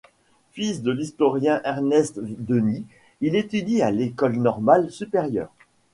Fils de l'historien Ernest Denis, il étudie à l'École normale supérieure.